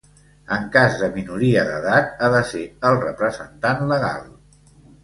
En cas de minoria d'edat ha de ser el representant legal.